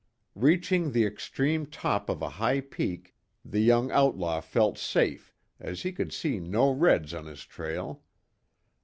Reaching the extreme top of a high peak, the young outlaw felt safe, as he could see no reds on his trail.